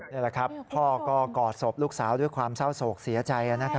นี่แหละครับพ่อก็กอดสบลูกสาวโดยความเศร้าโสกเสียใจนะครับ